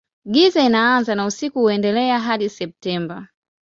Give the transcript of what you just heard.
Giza inaanza na usiku huendelea hadi Septemba.